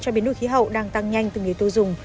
cho biến đổi khí hậu đang tăng nhanh từ người tiêu dùng